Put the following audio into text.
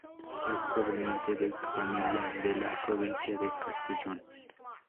Es proveniente de familia de la provincia de Castellón.